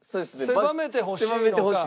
狭めてほしいです。